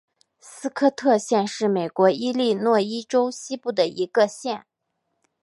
斯科特县是美国伊利诺伊州西部的一个县。